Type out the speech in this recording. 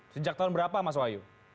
sejak tahun berapa mas wahyu